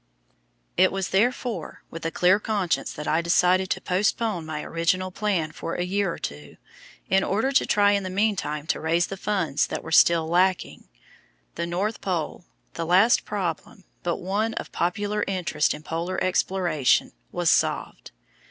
It was therefore with a clear conscience that I decided to postpone my original plan for a year or two, in order to try in the meantime to raise the funds that were still lacking. The North Pole, the last problem but one of popular interest in Polar exploration, was solved.